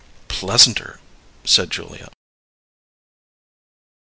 "Pleasanter," said Julia.